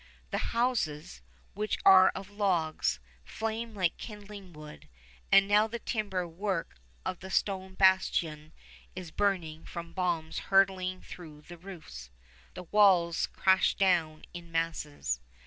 The houses, which are of logs, flame like kindling wood, and now the timber work of the stone bastions is burning from bombs hurtling through the roofs. The walls crash down in masses.